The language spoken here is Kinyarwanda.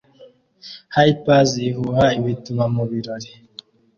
Hippies ihuha ibituba mubirori